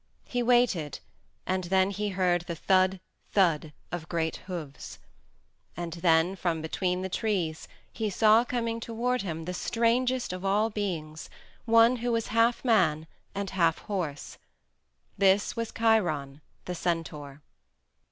He waited, and then he heard the thud thud of great hooves. And then from between the trees he saw coming toward him the strangest of all beings, one who was half man and half horse; this was Chiron the centaur.